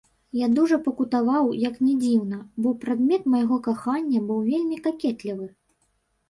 Я дужа пакутаваў, як ні дзіўна, бо прадмет майго кахання быў вельмі какетлівы.